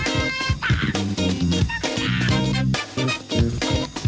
ไปแล้วนะครับพรุ่งนี้เรากลับมาเจอกันใหม่